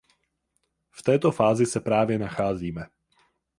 V této fázi se právě nacházíme.